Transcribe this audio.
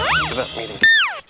ini juga deh